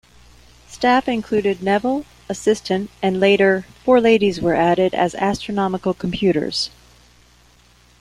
Staff included Nevill, assistant, and later 'four ladies were added as astronomical computers'.